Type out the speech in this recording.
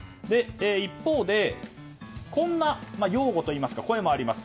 一方でこんな擁護といいますか声もあります。